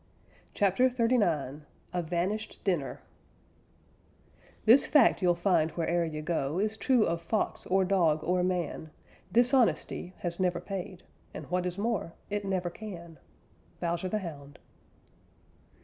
CHAPTER XXXIX A VANISHED DINNER This fact you'll find where'er you go Is true of Fox or Dog or Man: Dishonesty has never paid, And, what is more, it never can. _Bowser the Hound.